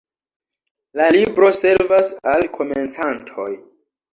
La libro servas al komencantoj.